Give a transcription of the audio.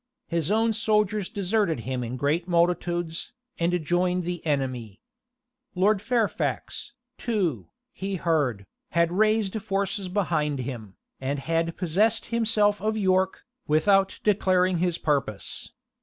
His own soldiers deserted him in great multitudes, and joined the enemy. Lord Fairfax, too, he heard, had raised forces behind him, and had possessed himself of York, without declaring his purpose.